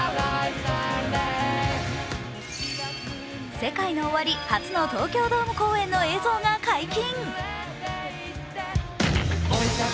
ＳＥＫＡＩＮＯＯＷＡＲＩ初の東京ドーム公演の映像が解禁。